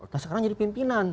nah sekarang jadi pimpinan